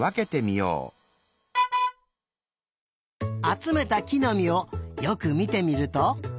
あつめたきのみをよくみてみると。